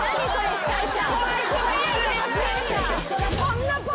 司会者。